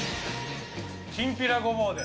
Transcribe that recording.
きんぴらごぼうで。